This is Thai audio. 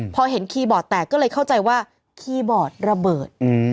พอเห็นคีย์บอร์ดแตกก็เลยเข้าใจว่าคีย์บอร์ดระเบิด